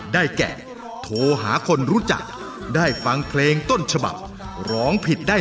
รายการต่อปีนี้เป็นรายการทั่วไปสามารถรับชมได้ทุกวัย